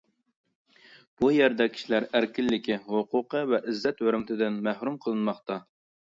بۇ يەردە كىشىلەر ئەركىنلىكى ، ھوقۇقى ۋە ئىززەت-ھۆرمىتىدىن مەھرۇم قىلىنماقتا.